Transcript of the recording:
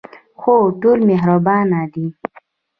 هو، ټول مهربانه دي